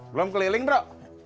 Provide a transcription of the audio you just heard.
belum keliling bro